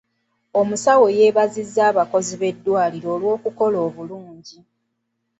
Omusawo yeebazizza abakozi b'eddwaliro olw'okukola obulungi.